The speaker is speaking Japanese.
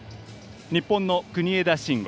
日本の国枝慎吾。